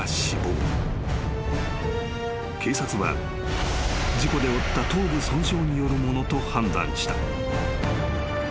［警察は事故で負った頭部損傷によるものと判断した］